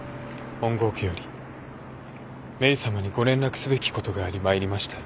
本郷家よりメイさまにご連絡すべきことがあり参りました。